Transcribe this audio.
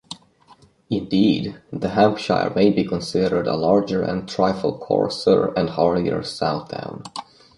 Indeed, the Hampshire may be considered a larger and trifle coarser and hardier Southdown.